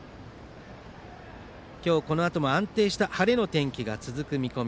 今日このあとも安定した晴れの天気が続く見込み。